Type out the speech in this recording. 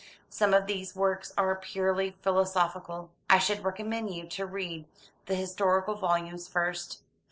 Some of these works are purely philosophical. I should recommend you to read the historical volumes first.